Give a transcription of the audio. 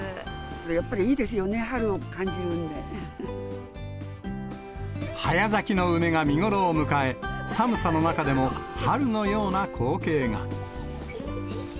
やっぱりいいですよね、早咲きの梅が見頃を迎え、寒さの中でも春のような光景が。